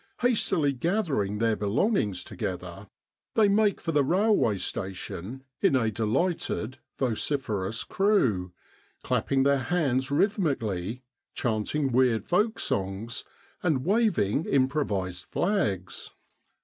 Hastily gathering their belongings to gether, they make for the railway station in a de lighted, vociferous crew, clapping their hands rhythmically, chanting weird folk songs, and waving improvised flags.